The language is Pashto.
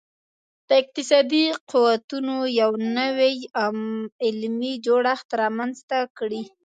د اقتصادي قوتونو یو نوی علمي جوړښت رامنځته کړي